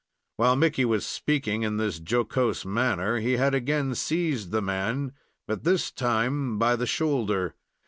While Mickey was speaking in this jocose manner, he had again seized the man, but this time by the shoulder.